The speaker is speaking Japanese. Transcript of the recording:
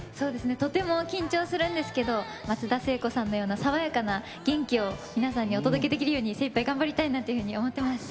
とても緊張しますけれど松田聖子さんのような爽やかな元気を皆さんにお届けできるように頑張りたいと思います。